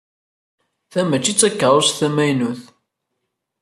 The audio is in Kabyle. Ta mačči d takeṛṛust tamaynut.